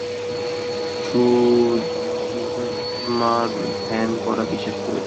সুষুম্নার ধ্যান করা বিশেষ প্রয়োজন।